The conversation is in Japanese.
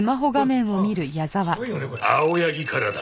チッ青柳からだ。